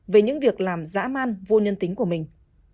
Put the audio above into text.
về những việc làm dã man vô nhân tính của mình